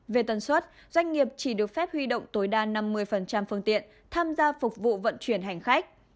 về tần suất doanh nghiệp chỉ được phép huy động tối đa năm mươi phương tiện tham gia phục vụ vận chuyển hành khách